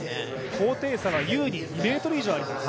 高低差は優に２ｍ以上あります。